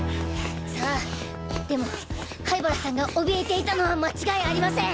さあでも灰原さんが怯えていたのは間違いありません。